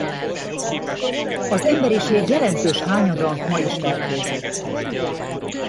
Az emberiség jelentős hányada ma is fertőzött.